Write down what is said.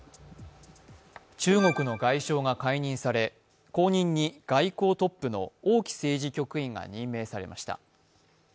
中国の外相が解任され、後任に外交トップの王毅政治局員が任命されました。